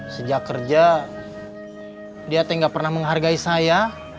sejak kerja dia tidak pernah menghargai saya